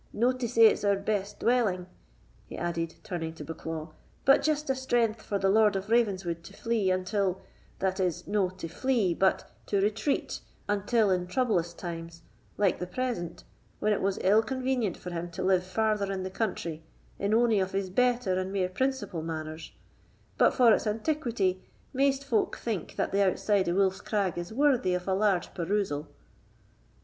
No to say it's our best dwelling," he added, turning to Bucklaw; "but just a strength for the Lord of Ravenswood to flee until—that is, no to flee, but to retreat until in troublous times, like the present, when it was ill convenient for him to live farther in the country in ony of his better and mair principal manors; but, for its antiquity, maist folk think that the outside of Wolf's Crag is worthy of a large perusal."